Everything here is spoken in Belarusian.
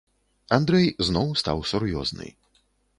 Андрэй зноў стаў сур'ёзны.